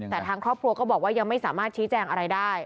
แต่ทางครอบครัวก็บอกว่ายังไม่สามารถชี้แจงอะไรได้